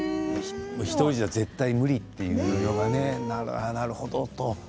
１人じゃ絶対、無理というのがね、なるほどと。